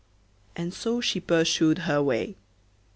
And so she pursued her way.